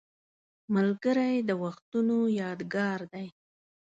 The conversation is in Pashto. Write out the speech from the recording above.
ملګری د وختونو یادګار دی